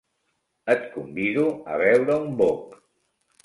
Et convido a beure un boc.